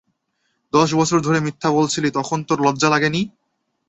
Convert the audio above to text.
দশ বছর ধরে মিথ্যা বলছিলি, তখন তোর লজ্জা লাগেনি?